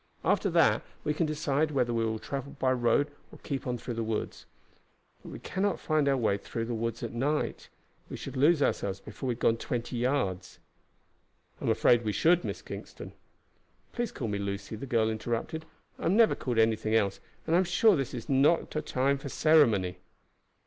After that we can decide whether we will travel by the road or keep on through the woods. But we cannot find our way through the woods at night; we should lose ourselves before we had gone twenty yards." "I am afraid we should, Miss Kingston." "Please call me Lucy," the girl interrupted. "I am never called anything else, and I am sure this is not a time for ceremony."